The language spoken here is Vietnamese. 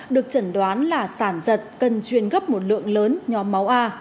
được chẩn đoán là sản giật cần truyền gấp một lượng lớn nhóm máu a